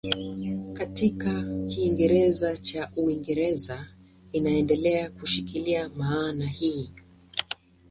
Katika Kiingereza cha Uingereza inaendelea kushikilia maana hii.